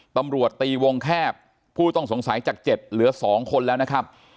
ตำรวจตีวงแคบผู้ต้องสงสัยจาก๗เหลือ๒คนแล้วนะครับ